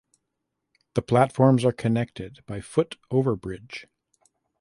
The platforms are connected by foot overbridge.